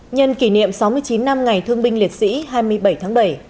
nhân kỷ niệm sáu mươi chín năm ngày thương binh liệt sĩ hai mươi bảy tháng bảy